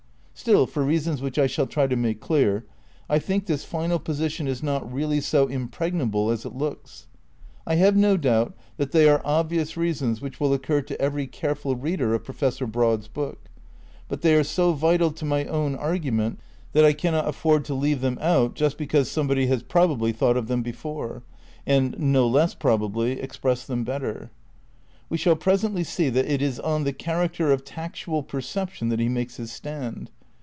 Still, for reasons which I shaU try to make clear, I think this final position is not really so impregnable as it looks. I have no doubt that they are obvious reasons which will occur to every careful reader of Professor Broad's book; but they are so vital to my own argument that I cannot afford to leave them out just because somebody has probably thought of them before, and, no less probably, expressed them better. "We shall presently see that it is on. the character of tactual perception that he makes his stand.